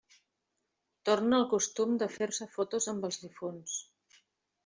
Torna el costum de fer-se fotos amb els difunts.